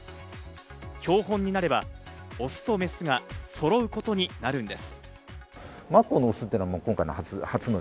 標本になればオスとメスが揃うことになるんです。